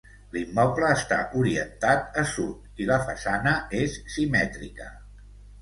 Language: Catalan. L'immoble està orientat a sud i la façana és simètrica.